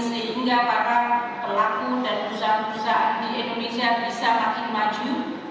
sehingga para pelaku dan perusahaan perusahaan di indonesia bisa makin maju